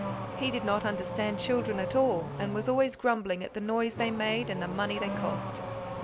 He did not understand children at all, and was always grumbling at the noise they made, and the money they cost.